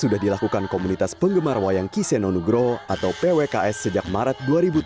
sudah dilakukan komunitas penggemar wayang kiseno nugro atau pwks sejak maret dua ribu tujuh belas